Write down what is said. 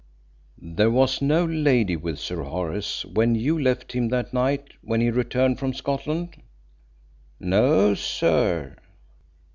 "There was no lady with Sir Horace when you left him that night when he returned from Scotland?" "No, sir."